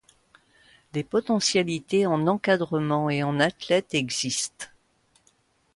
Les potentialités en encadrement et en athlètes existent.